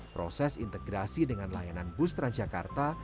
proses integrasi dengan layanan bus transjakarta